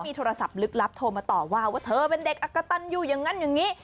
มีโทรศัพท์ลึกลับโทรมาต่อว่าว่าเธอเป็นเด็กอักกะตันอยู่อย่างนั้นอย่างนี้